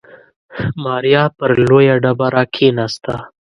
ماريا پر لويه ډبره کېناسته.